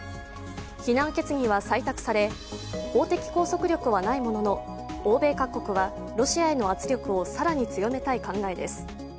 非難決議は採択され、法的拘束力はないものの欧米各国はロシアへの圧力を更に強めたい考えです。